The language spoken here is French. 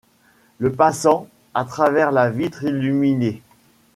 Le passant, à travers la vitre illuminée